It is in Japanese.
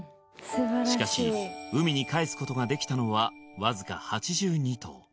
しかし海に帰すことができたのはわずか８２頭